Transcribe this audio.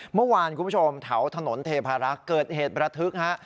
เมื่อวานคุณผู้ชมแถวถนนเทพารักษ์เกิดเหตุประทึกฮะ